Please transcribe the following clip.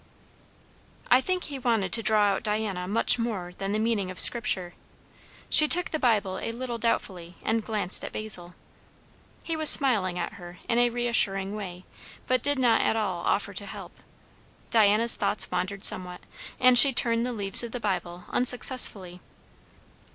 I think he wanted to draw out Diana much more than the meaning of Scripture. She took the Bible a little doubtfully and glanced at Basil. He was smiling at her in a reassuring way, but did not at all offer to help. Diana's thoughts wandered somewhat, and she turned the leaves of the Bible unsuccessfully.